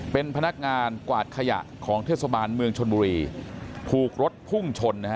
เป็นพนักงานกวาดขยะของเทศบาลเมืองชนบุรีถูกรถพุ่งชนนะฮะ